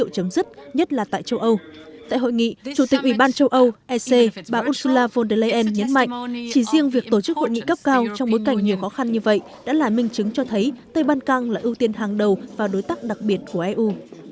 tại hội nghị chủ tịch ủy ban châu âu ec bà ursula von der leyen nhấn mạnh chỉ riêng việc tổ chức hội nghị cấp cao trong bối cảnh nhiều khó khăn như vậy đã là minh chứng cho thấy tây ban căng là ưu tiên hàng đầu vào đối tác đặc biệt của eu